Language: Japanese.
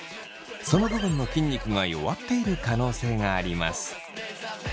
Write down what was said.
その部分の筋肉が弱っている可能性があります。